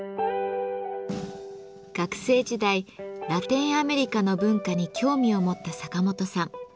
学生時代ラテンアメリカの文化に興味を持ったサカモトさん。